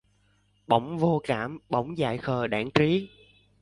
Bỗng vô cảm bỗng dại khờ đãng trí